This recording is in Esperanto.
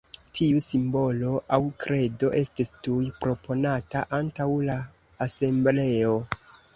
Tiu simbolo aŭ kredo estis tuj proponata antaŭ la asembleo.